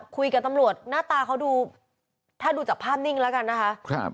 คุยกับตำรวจหน้าตาเขาดูถ้าดูจากภาพนิ่งแล้วกันนะคะ